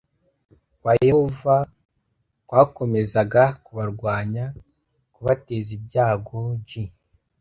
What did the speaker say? kwa yehova kwakomezaga kubarwanya kukabateza ibyago j